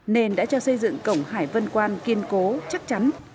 nên đã cho xây dựng cổng hải vân quan kiên cố chắc chắn